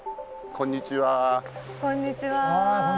こんにちは。